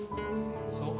そうか？